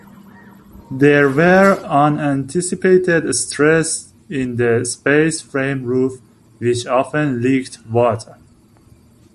There were unanticipated stresses in the space frame roof, which often leaked water.